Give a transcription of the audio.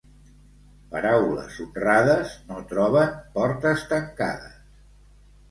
Paraules honrades no troben portes tancades.